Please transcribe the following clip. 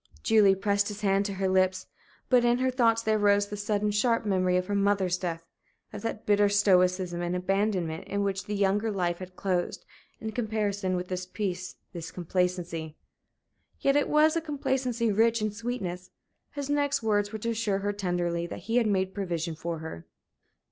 Julie pressed his hand to her lips. But in her thoughts there rose the sudden, sharp memory of her mother's death of that bitter stoicism and abandonment in which the younger life had closed, in comparison with this peace, this complacency. Yet it was a complacency rich in sweetness. His next words were to assure her tenderly that he had made provision for her.